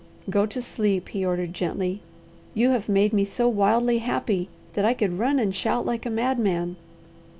"Go to sleep!" he ordered gently. "You have made me so wildly happy that I could run and shout like a madman.